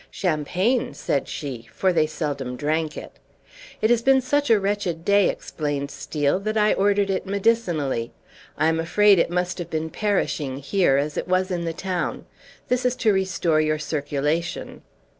"Champagne!" said she, for they seldom drank it. "It has been such a wretched day," explained Steel, "that I ordered it medicinally. I am afraid it must have been perishing here, as it was in the town. This is to restore your circulation."